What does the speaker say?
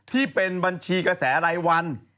ที่เป็นบัญชีกระแสรายวัน